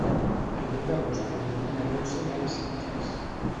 El deu d'agost en Bru i na Dolça iran a Sitges.